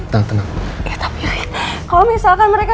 ya tapi rick kalo misalkan mereka